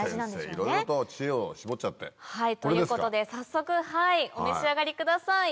いろいろと知恵を絞っちゃって。ということで早速お召し上がりください。